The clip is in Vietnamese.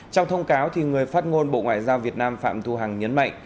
trong thông cáo người phát ngôn bộ ngoại giao việt nam phạm thu hằng nhấn mạnh